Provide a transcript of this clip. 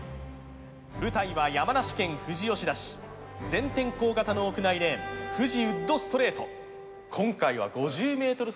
舞台は山梨県富士吉田市全天候型の屋内レーン富士ウッドストレート